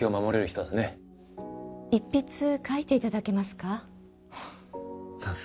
一筆書いて頂けますか？